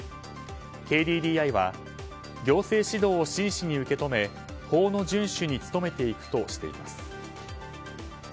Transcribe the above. ＫＤＤＩは行政指導を真摯に受け止め法の順守に努めていくとしています。